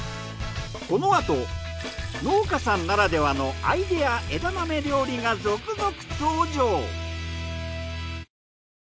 このあと農家さんならではのアイデア枝豆料理が続々登場。